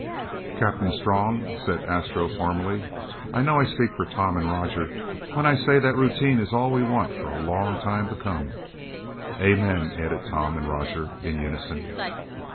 "Captain Strong," said Astro formally, "I know I speak for Tom and Roger when I say that routine is all we want for a long time to come!" "Amen!" added Tom and Roger in unison.